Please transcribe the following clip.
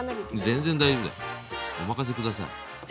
全然大丈夫だよお任せ下さい。